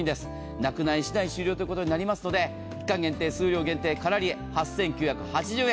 なくなりしだい終了となりますので、期間限定・数量限定、カラリエ８９８０円。